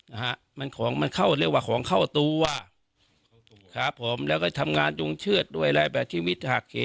นะฮะมันของมันเข้าเรียกว่าของเข้าตัวเข้าตัวครับผมแล้วก็ทำงานจุงเชือดด้วยอะไรแบบชีวิตหักเห